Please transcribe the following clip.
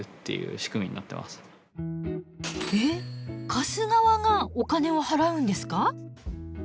貸す側がお金を払うんですか？